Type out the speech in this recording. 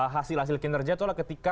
hasil hasil kinerja itu lah ketika